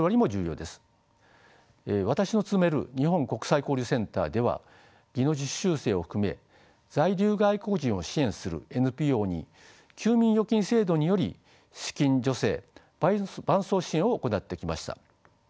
私の勤める日本国際交流センターでは技能実習生を含め在留外国人を支援するＮＰＯに休眠預金制度により資金助成伴走支援を行ってきました。